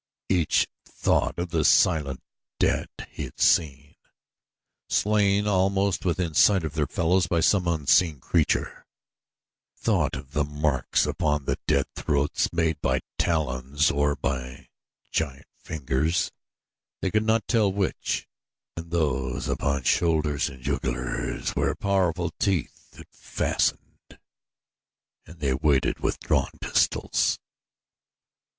Each thought of the silent dead he had seen, slain almost within sight of their fellows by some unseen creature. They thought of the marks upon dead throats made by talons or by giant fingers, they could not tell which and those upon shoulders and jugulars where powerful teeth had fastened and they waited with drawn pistols.